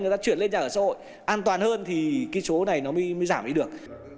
người ta chuyển lên nhà ở xã hội an toàn hơn thì cái số này nó mới giảm đi được